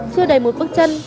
chưa đầy một bước chân